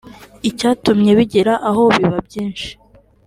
Icyatumye bigera aho biba byinshi